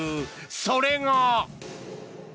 それが。